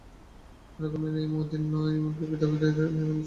তাঁরা কোন নিয়মের অধীন নন, এমন কি বেদবিধি মেনে চলতেও তাঁরা বাধ্য নন।